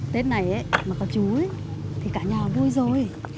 tết này ấy mà có chú ấy thì cả nhà vui rồi